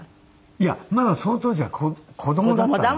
いやまだその当時は子供だったんで。